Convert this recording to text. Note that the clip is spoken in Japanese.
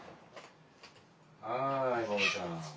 はいモモちゃん。